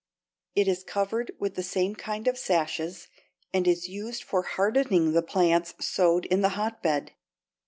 It is covered with the same kind of sashes and is used for hardening the plants sowed in the hotbed.